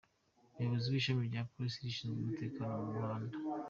Umuyobozi w’Ishami rya Polisi rishinzwe umutekano mu muhanda.